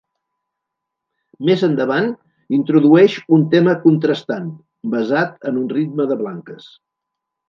Més endavant, introdueix un tema contrastant, basat en un ritme de blanques.